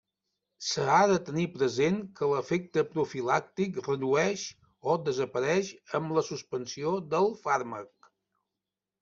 S’ha de tenir present que l’efecte profilàctic redueix o desapareix amb la suspensió del fàrmac.